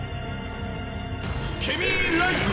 「ケミーライズ！」